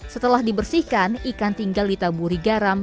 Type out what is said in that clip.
setelah dibersihkan ikan tinggal ditaburi garam